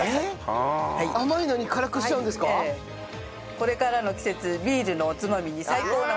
これからの季節ビールのおつまみに最高なものに。